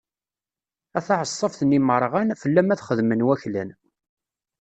A taɛeṣṣabt n lmerjan, fell-am ad xedmen waklan.